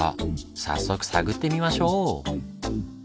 早速探ってみましょう！